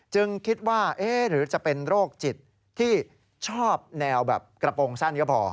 คิดว่าหรือจะเป็นโรคจิตที่ชอบแนวแบบกระโปรงสั้นก็พอ